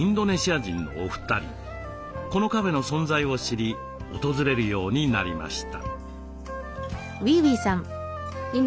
このカフェの存在を知り訪れるようになりました。